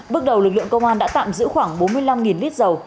bước đầu lực lượng công an đã tạm giữ khoảng bốn mươi năm lít dầu